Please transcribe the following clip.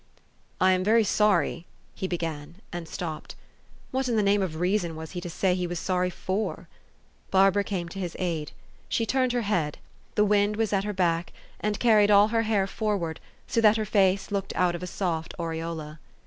"I am very sorry," he began, and stopped. What in the name of reason was he to say he was sorry for? Barbara came to his aid. She turned her head: the wind was at her back, and carried 346 THE STORY OF AVIS. all her hair forward, so that her face looked out of a soft aureola.